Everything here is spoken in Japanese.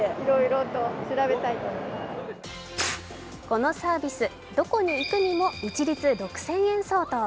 このサービス、どこに行くにも一律６０００円相当。